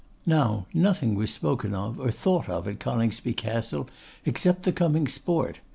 Now, nothing was spoken or thought of at Coningsby Castle except the coming sport.